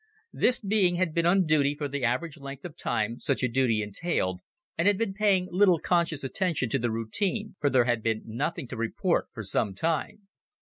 This being had been on duty for the average length of time such a duty entailed and had been paying little conscious attention to the routine for there had been nothing to report for some time.